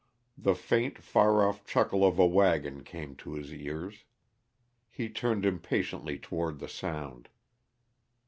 The faint, far off chuckle of a wagon came to his ears. He turned impatiently toward the sound.